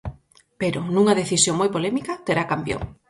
Pero, nunha decisión moi polémica, terá campión.